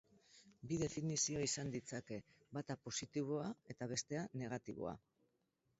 Bi definizio izan ditzake, bata positiboa eta bestea negatiboa.